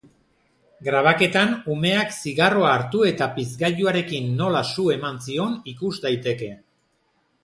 Grabaketan umeak zigarroa hartu eta pizgailuarekin nola su ematen zion ikus daiteke.